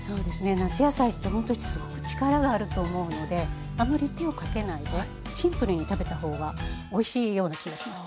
夏野菜ってほんとにすごく力があると思うのであまり手をかけないでシンプルに食べた方がおいしいような気がします。